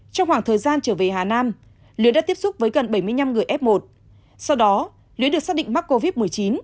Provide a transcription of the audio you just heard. trong khoảng thời gian trở về hà nam lưới đã tiếp xúc với gần bảy mươi năm người f một sau đó lưới được xác định mắc covid một mươi chín